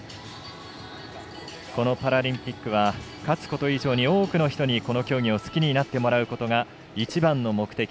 このパラリンピックは勝つこと以上に多くの人に、この競技を好きになってもらうことが一番の目的。